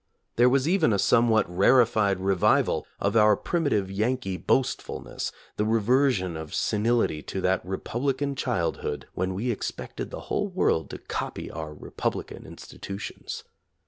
There was even a somewhat rarefied revival of our primitive Yankee boastful ness, the reversion of senility to that republican childhood when we expected the whole world to copy our republican institutions.